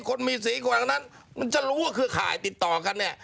คนมีสีคนอาจารย์นั้นมันจะรู้ว่าคือใครติดต่อกันเนี่ย